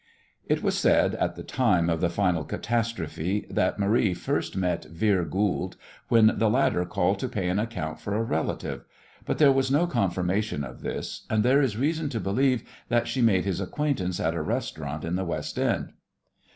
It was said at the time of the final catastrophe that Marie first met Vere Goold when the latter called to pay an account for a relative, but there was no confirmation of this, and there is reason to believe that she made his acquaintance at a restaurant in the West End.